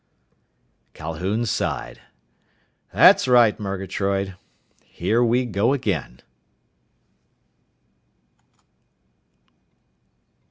_" Calhoun sighed. "That's right, Murgatroyd! Here we go again!"